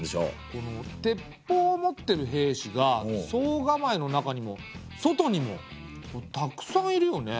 この鉄砲を持ってる兵士が惣構の中にも外にもたくさんいるよね。